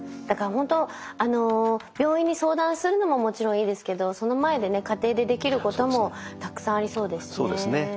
だからほんと病院に相談するのももちろんいいですけどその前でね家庭でできることもたくさんありそうですね。